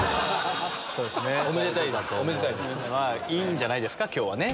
いいんじゃないですか今日はね。